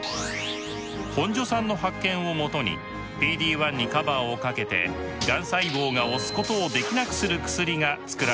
本庶さんの発見をもとにＰＤ−１にカバーをかけてがん細胞が押すことをできなくする薬が作られました。